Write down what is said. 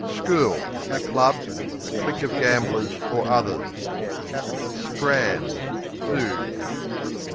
School A club; a clique of gamblers, or others. Scran Food.